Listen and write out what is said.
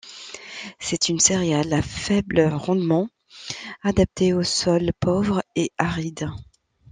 C'est une céréale à faible rendement, adapté aux sols pauvres et arides.